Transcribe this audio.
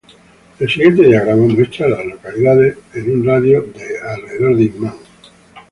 El siguiente diagrama muestra a las localidades en un radio de de Inman.